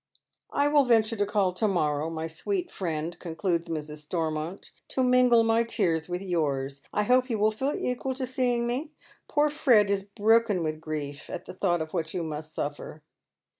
"I will venture to call to morrow, my sweet friend," concludes Mrs. Stormont " to mingle my tears with yours. I hope you will feel equal to seeing me. Poor Fred is broken down with grief at the thought of what you must suffer."